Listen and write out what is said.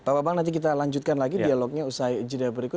pak bambang nanti kita lanjutkan lagi dialognya usai jeda berikut